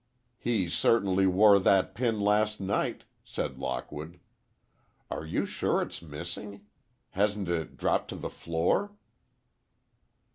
"He certainly wore that pin last night," said Lockwood. "Are you sure it's missing? Hasn't it dropped to the floor?"